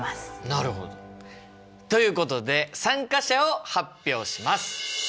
なるほど。ということで参加者を発表します！